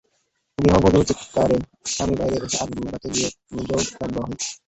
গৃহবধূর চিৎকারে স্বামী বাইরে এসে আগুন নেভাতে গিয়ে নিজেও দগ্ধ হন।